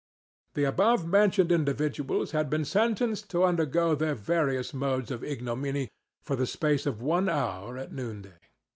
The above mentioned individuals had been sentenced to undergo their various modes of ignominy for the space of one hour at noonday.